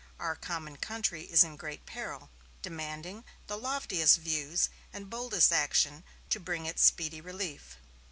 Our common country is in great peril, demanding the loftiest views and boldest action to bring it speedy relief.